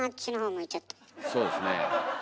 そうですね。